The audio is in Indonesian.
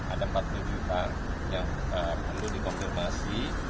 ada empat puluh juta yang perlu dikonfirmasi